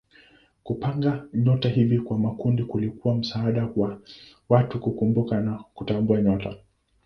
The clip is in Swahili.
Kupanga nyota hivi kwa makundi kulikuwa msaada kwa watu kukumbuka na kutambua nyota.